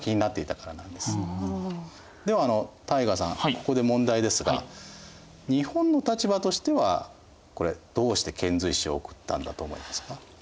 ここで問題ですが日本の立場としてはこれどうして遣隋使を送ったんだと思いますか？